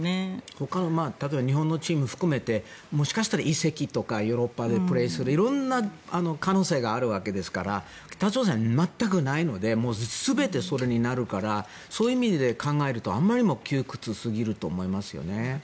ほか日本のチームを含めてもしかしたら移籍とかヨーロッパでプレーする色んな可能性があるわけですから北朝鮮、全くないので全てそれになるからそういう意味で考えるとあまりにも窮屈すぎると思いますよね。